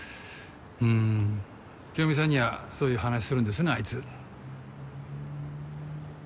ん清美さんにはそういう話するんですねあいつ。